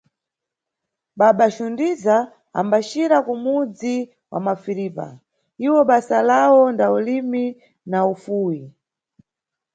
Baba Xundiza ambaxira kumudzi wa Mafiripa, iwo basa lawo nda ulimi na ufuwi.